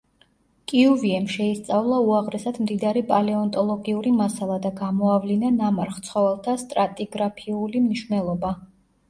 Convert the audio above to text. კიუვიემ შეისწავლა უაღრესად მდიდარი პალეონტოლოგიური მასალა და გამოავლინა ნამარხ ცხოველთა სტრატიგრაფიული მნიშვნელობა.